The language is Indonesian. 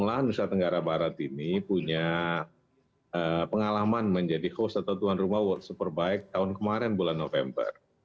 mulai dari saat ini kita sudah melakukan pengalaman untuk menjadi host atau tuan rumah whatsapp perbaik tahun kemarin bulan november